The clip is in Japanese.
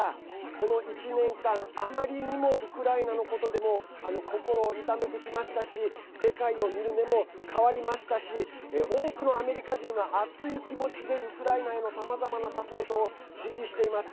この１年間あまりにもウクライナのことでもう心を痛めてきましたし世界を見る目も変わりましたし多くのアメリカ人は熱い気持ちでウクライナへのさまざまなサポートを支持しています。